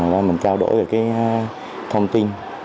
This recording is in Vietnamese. và mình trao đổi về cái thông tin